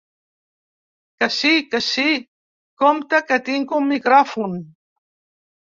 Que sí, que sí, compte que tinc un micròfon.